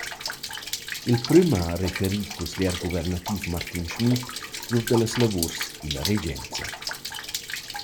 Il prüm ha referi cusglier guvernativ Martin Schmid sur da las lavuors illa regenza.